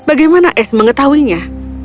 bagaimana ace mengetahuinya